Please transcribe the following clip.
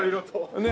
ねえ。